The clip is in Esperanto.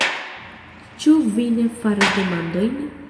Ĉu vi ne faras demandojn?